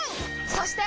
そして！